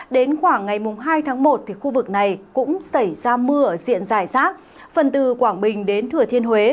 đến khoảng ngày hai tháng một khu vực này cũng xảy ra mưa diện dài rác phần từ quảng bình đến thừa thiên huế